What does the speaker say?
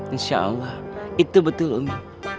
insya allah itu betul umi